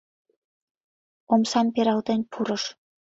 Омсам пералтен пурыш.